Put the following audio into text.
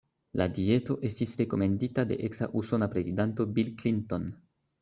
La dieto estis rekomendita de eksa usona prezidanto Bill Clinton.